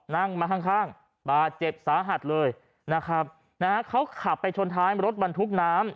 นั่งมาข้างข้างบาดเจ็บสาหัสเลยนะครับนะฮะเขาขับไปชนท้ายรถบรรทุกน้ำ